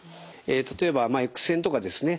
例えばエックス線とかですね